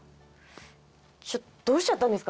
どうしちゃったんですか？